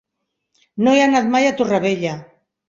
No he anat mai a Torrevella.